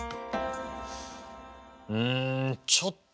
うんちょっと